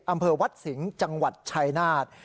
อำเภอวัดสิงห์จังหวัดชายนาฏ